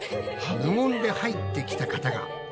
無言で入ってきた方が。